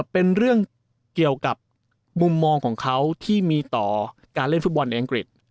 เป็นเรื่องเกี่ยวกับมุมมองของเขาที่มีต่อการเล่นฟุตบอลในอังกฤษ